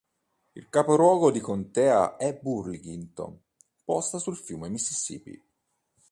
Il capoluogo di contea è Burlington posta sul fiume Mississippi.